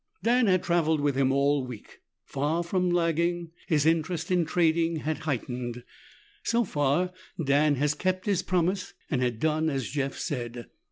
Dan had traveled with him all week. Far from lagging, his interest in trading had heightened. So far Dan had kept his promise and had done as Jeff said.